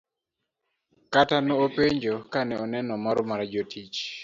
Kata nopenjo kane oneno mor mar jatich.